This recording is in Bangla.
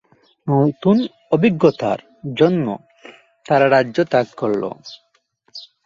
নতুন অভিজ্ঞতার জন্য তারা রাজ্য ত্যাগ করল।